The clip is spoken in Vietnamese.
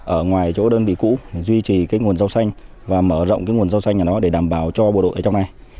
ở ngoài chỗ đơn vị cũ duy trì nguồn rau xanh và mở rộng nguồn rau xanh để đảm bảo cho bộ đội ở trong này